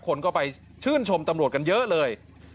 คนก็ไปชื่นชมตำรวจกันเยอะเลย